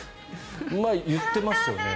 言ってますよね。